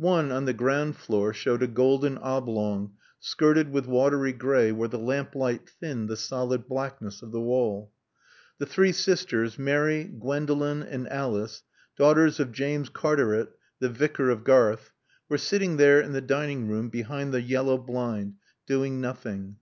One, on the ground floor, showed a golden oblong, skirted with watery gray where the lamp light thinned the solid blackness of the wall. The three sisters, Mary, Gwendolen and Alice, daughters of James Cartaret, the Vicar of Garth, were sitting there in the dining room behind the yellow blind, doing nothing.